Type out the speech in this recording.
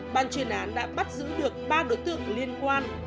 ban chuyên án đã bắt giữ được ba đối tượng liên quan